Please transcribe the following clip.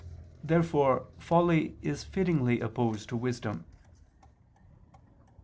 Therefore folly is fittingly opposed to wisdom.